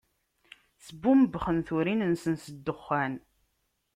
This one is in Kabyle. Sbumbxen turin-nsen s ddexxan.